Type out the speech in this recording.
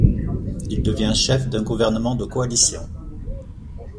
Il devient chef d’un gouvernement de coalition.